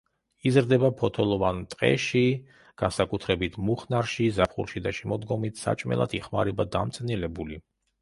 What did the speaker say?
იზრდება ფოთლოვან ტყეში, განსაკუთრებით მუხნარში, ზაფხულში და შემოდგომით, საჭმელად იხმარება დამწნილებული.